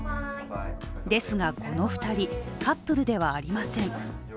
ですがこの２人、カップルではありません。